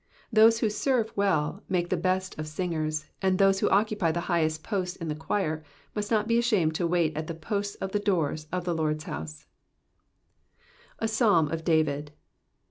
Those who serve well mulce the best of singers, and those who occupy the highest posts in the choir must not be ashamed to loait ai the posts of the doors of the Lord's house, A PsAiiM OF David.